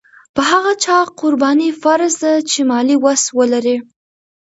په هغه چا قرباني فرض ده چې مالي وس ولري.